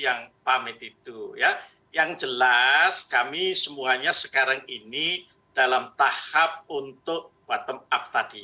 yang pamit itu ya yang jelas kami semuanya sekarang ini dalam tahap untuk bottom up tadi